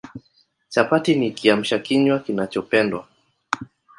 Chapati ni Kiamsha kinywa kinachopendwa